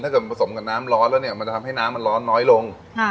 เกิดผสมกับน้ำร้อนแล้วเนี่ยมันจะทำให้น้ำมันร้อนน้อยลง